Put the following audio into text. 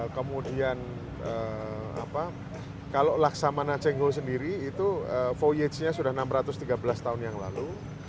kemudian kalau laksamana cengho sendiri itu voyage nya sudah enam ratus tiga belas tahun yang lalu